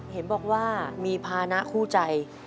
เห็นบอกว่ามีภานะคู่ใจ